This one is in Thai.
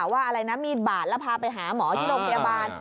ว่ามีบาทแล้วพาไปหาหมอที่โรงพยาบาล